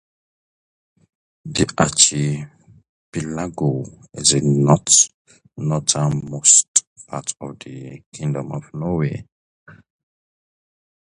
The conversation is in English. The archipelago is the northernmost part of the Kingdom of Norway.